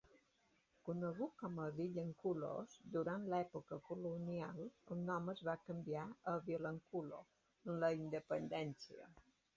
Conegut com a "Vilanculos" durant l'època colonial, el nom es va canviar a "Vilankulo" amb la independència.